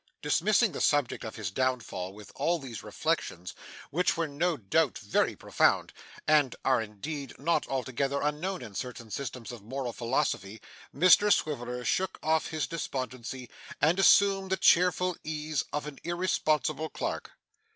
Dismissing the subject of his downfall with these reflections, which were no doubt very profound, and are indeed not altogether unknown in certain systems of moral philosophy, Mr Swiveller shook off his despondency and assumed the cheerful ease of an irresponsible clerk.